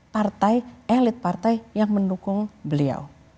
partai elit partai yang mendukung beliau